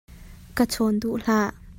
Ka chawn duh hlah.